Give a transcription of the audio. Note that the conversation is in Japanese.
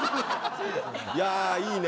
いやいいね。